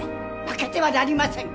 負けてはなりません！